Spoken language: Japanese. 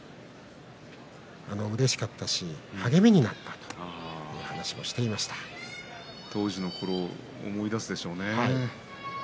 うれしかったし励みになったと当時のころを思い出すでしょうね。